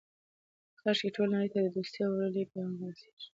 کاشکې ټولې نړۍ ته د دوستۍ او ورورولۍ پیغام ورسیږي.